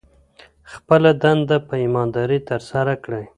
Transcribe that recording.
خپله دنده په ایماندارۍ ترسره کړئ.